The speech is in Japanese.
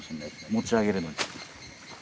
持ち上げるのに。